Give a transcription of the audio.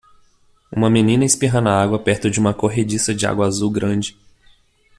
Uma menina espirra na água perto de uma corrediça de água azul grande.